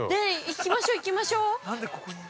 行きましょ、行きましょ！